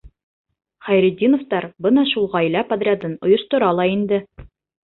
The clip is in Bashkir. Хәйретдиновтар бына шул ғаилә подрядын ойоштора ла инде.